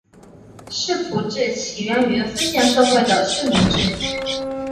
世仆制起源于封建社会的蓄奴制。